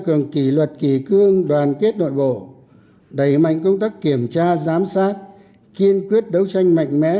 trong lực lượng công an nhân dân